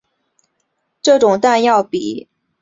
这种弹药比起当代的同类弹种有着较大的威力。